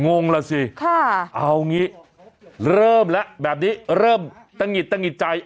งงล่ะสิเอางี้เริ่มแล้วแบบนี้เริ่มตะหิดตะหิดใจ